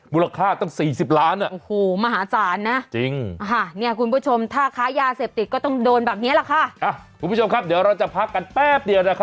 มูลค่าตั้งสี่สิบล้านอ่ะโอ้โหมหาจารย์นะจริง